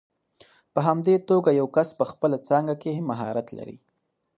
په همدې توګه یو کس په خپله څانګه کې مهارت لري.